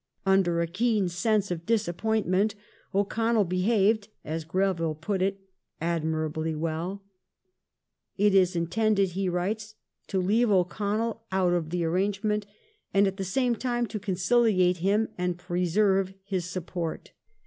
Under a keen sense of disappointment O'Connell behaved, as Greville put it, " admirably well "." It is intended," he writes, " to leave O'Connell out of the arrangement, and at the same time to conciliate him and preserve his support.